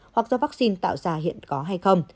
hoặc do vaccine tạo ra hiện có hay không